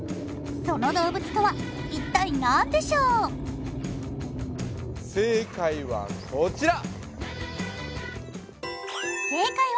その動物とは一体何でしょう正解はこちら！